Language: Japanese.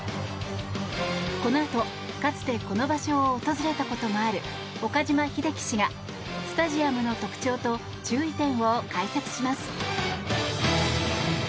このあと、かつてこの場所を訪れたこともある岡島秀樹氏がスタジアムの特徴と注意点を解説します。